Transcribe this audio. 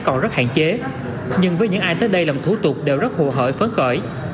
còn rất hạn chế nhưng với những ai tới đây làm thủ tục đều rất hồ hởi phấn khởi